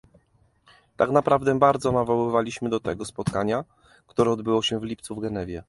Tak naprawdę bardzo nawoływaliśmy do tego spotkania, które odbyło się w lipcu w Genewie